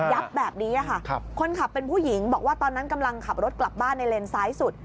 แบบนี้ค่ะคนขับเป็นผู้หญิงบอกว่าตอนนั้นกำลังขับรถกลับบ้านในเลนซ้ายสุด